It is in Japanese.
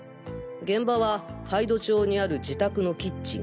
現場は杯戸町にある自宅のキッチン。